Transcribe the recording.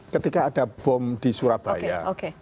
ketika ada bom di surabaya